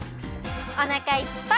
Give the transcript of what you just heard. おなかいっぱい！